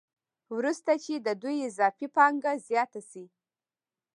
وروسته چې د دوی اضافي پانګه زیاته شي